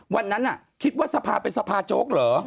วันนั้นคิดว่าสภาเป็นสภาโจ๊กเหรอ